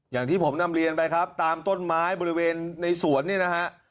อย่างที่ผมนำเรียนไปครับตามต้นไม้บริเวณในสวนเนี่ยนะฮะ